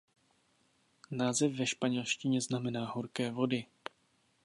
Název ve španělštině znamená „horké vody“.